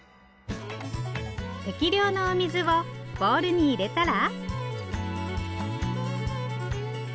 適量のお水をボウルに入れたら。